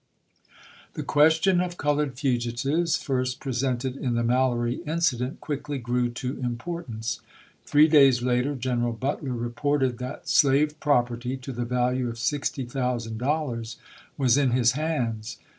The question of colored fugitives, first presented in the MaUory incident, quickly grew to impor tance. Three days later Greneral Butler reported Butierto that slave "property" to the value of sixty thou MiyST.Tsei. sand dollars was in his hands.